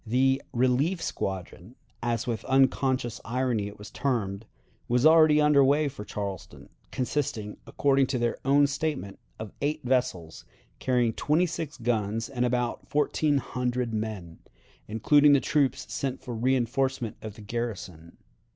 The "relief squadron," as with unconscious irony it was termed, was already under way for Charleston, consisting, according to their own statement, of eight vessels, carrying twenty six guns and about fourteen hundred men, including the troops sent for reënforcement of the garrison.